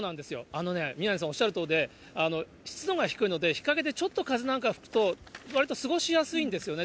あのね、宮根さんおっしゃるとおりで、湿度が低いので、日陰でちょっと風なんか吹くと、わりと過ごしやすいんですよね。